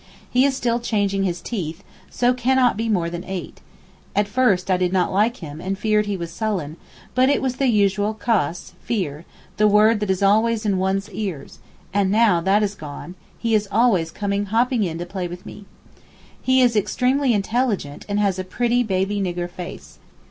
He is still changing his teeth, so cannot be more than eight; at first I did not like him, and feared he was sullen, but it was the usual khoss (fear), the word that is always in one's ears, and now that is gone, he is always coming hopping in to play with me. He is extremely intelligent and has a pretty baby nigger face.